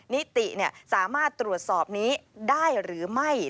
นิติสามารถตรวจสอบนี้ได้หรือไม่